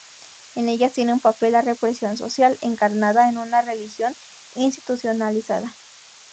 En ellas tiene papel la represión social, encarnada en una religión institucionalizada.